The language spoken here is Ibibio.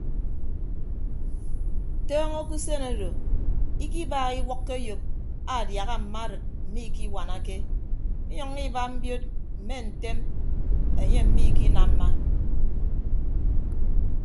Tọọñọ ke usen odo ikibaaha iwʌkkọ eyop aadiaha mma arịd mmikiwanake inyʌññọ iba mbiod mme ntem enye mmikinamma.